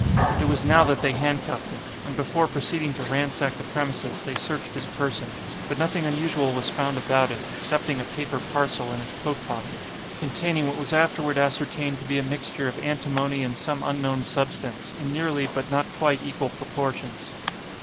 It was now that they hand cuffed him; and before proceeding to ransack the premises they searched his person, but nothing unusual was found about him, excepting a paper parcel, in his coat pocket, containing what was afterward ascertained to be a mixture of antimony and some unknown substance, in nearly, but not quite, equal proportions.